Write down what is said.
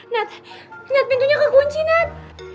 nat nat pintunya kekunci nat